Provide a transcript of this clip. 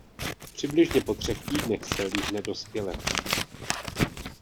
Přibližně po třech týdnech se líhne dospělec.